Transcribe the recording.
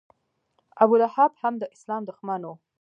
ابولهب هم د اسلام دښمن و.